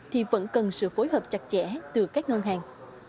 thì vẫn cần sự phối hợp chặt chẽ từ các ngân hàng